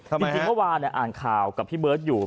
กับวานเนี่ยฉันอ่านข่าวกับพี่เบิร์ทอยู่